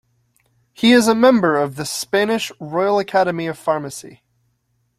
He is a member of the Spanish Royal Academy of Pharmacy.